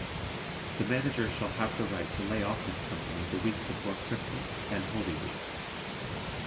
The Manager shall have the right to lay off his company the week before Christmas and Holy Week.